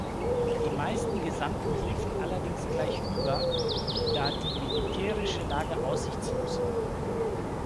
Die meisten Gesandten liefen allerdings gleich über, da die militärische Lage aussichtslos war.